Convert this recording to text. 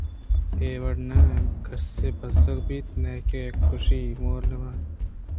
اے وڑا نہ کسّے ءَ بزگ بیت ءُنئیکہ یکے ءِ گوش ءَ مورے وارت